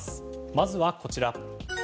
まずはこちら。